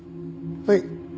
はい。